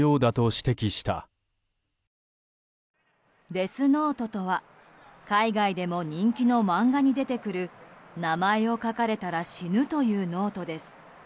デスノートとは海外でも人気の漫画に出てくる名前を書かれたら死ぬというノートです。